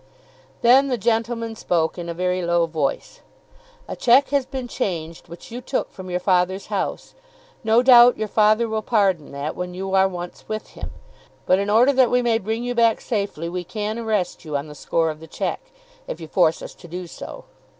Then the gentleman spoke in a very low voice. "A cheque has been changed which you took from your father's house. No doubt your father will pardon that when you are once with him. But in order that we may bring you back safely we can arrest you on the score of the cheque, if you force us to do so.